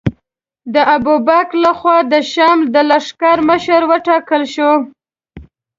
د ابوبکر له خوا د شام د لښکر مشر وټاکل شو.